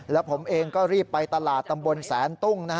แล้วผมเองก็รีบไปตลาดตำบลแสนตุ้ง